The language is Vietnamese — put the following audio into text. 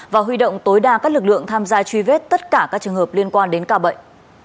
và huy động tối đa các lực lượng tham gia truy vết tất cả các trường hợp liên quan đến ca bệnh